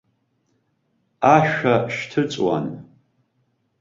Ашәа шьҭыҵуан.